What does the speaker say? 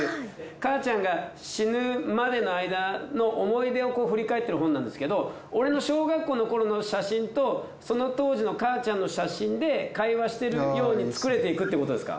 母ちゃんが死ぬまでのあいだの思い出を振り返っている本なんですけど俺の小学校の頃の写真とその当時の母ちゃんの写真で会話してるように作れていくっていうことですか？